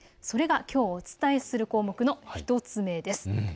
それがきょうお伝えする項目の１つ目です。